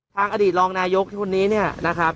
อดีตรองนายกคนนี้เนี่ยนะครับ